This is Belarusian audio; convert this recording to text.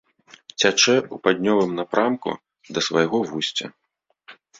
Цячэ ў паўднёвым напрамку да свайго вусця.